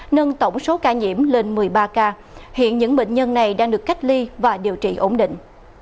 nâng tổng số ca nhiễm lên một mươi ba ca hiện những bệnh nhân này đang được cách ly và điều trị ổn định